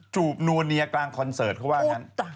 จูบนู่นเนียร์กลางคอนเซิร์ตเขาบ้าน